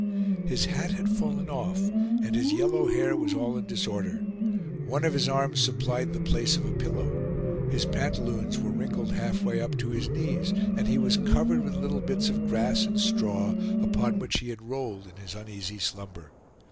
His hat had fallen off, and his yellow hair was all in disorder; one of his arms supplied the place of a pillow; his pantaloons were wrinkled halfway up to his knees, and he was covered with little bits of grass and straw, upon which he had rolled in his uneasy slumber.